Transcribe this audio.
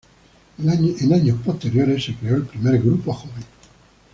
En años posteriores se creó el primer grupo joven.